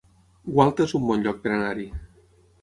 Gualta es un bon lloc per anar-hi